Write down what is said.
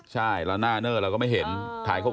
ใช่แล้วหน้าเนอร์เราก็ไม่เห็น